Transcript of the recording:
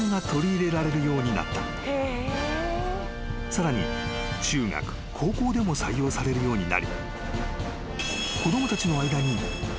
［さらに中学高校でも採用されるようになり］